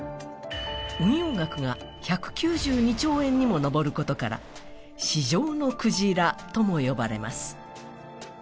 運用額が１９２兆円にも上ることから市場のクジラとも呼ばれます。